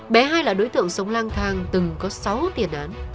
bé hai là đối tượng sống lang thang từng có sáu tiền án